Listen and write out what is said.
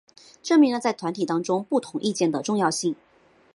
证明了在团体中不同意见的重要性。